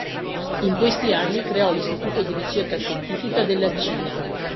In questi anni creò l'Istituto di Ricerca Scientifica della Cina.